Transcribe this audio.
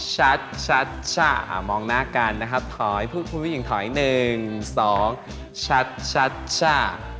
๑๒ชัดชัดช่ามองหน้ากันนะครับถอยผู้หญิงถอย๑๒ชัดชัดช่า